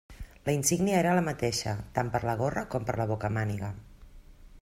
La insígnia era la mateixa tant per la gorra com per la bocamàniga.